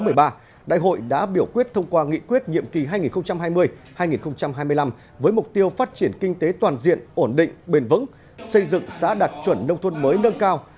đại hội đã biểu quyết thông qua nghị quyết nhiệm kỳ hai nghìn hai mươi hai nghìn hai mươi năm với mục tiêu phát triển kinh tế toàn diện ổn định bền vững xây dựng xã đạt chuẩn nông thôn mới nâng cao